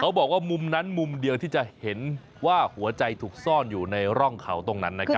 บอกว่ามุมนั้นมุมเดียวที่จะเห็นว่าหัวใจถูกซ่อนอยู่ในร่องเขาตรงนั้นนะครับ